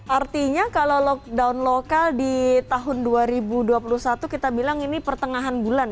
artinya kalau lockdown lokal di tahun dua ribu dua puluh satu kita bilang ini pertengahan bulan